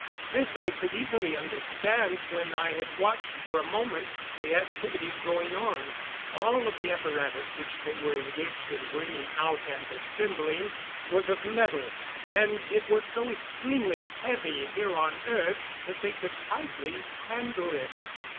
This I could easily understand when I had watched for a moment the activities going on. All of the apparatus which they were engaged in bringing out and assembling was of metal, and it was so extremely heavy here on earth that they could hardly handle it.